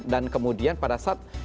dan kemudian pada saat